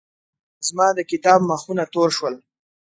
زما د کتاب مخونه تور شول.